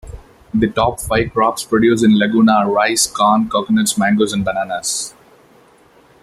The top five crops produced in Laguna are rice, corn, coconuts, mangoes, and bananas.